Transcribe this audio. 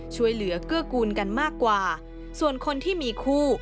ช่วยเหลือเกื้อกูลกันมากกว่าส่วนคนที่มีคู่